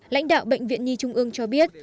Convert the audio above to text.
lãnh đạo bệnh viện nhi trung ương cho biết